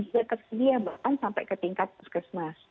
juga ketersediaan bahkan sampai ke tingkat plus plus